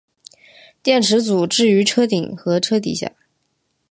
电池组置于车顶和车底下。